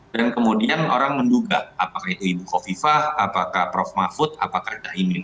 dan kemudian orang menduga apakah itu ibu kofifah apakah prof mahfud apakah cahimin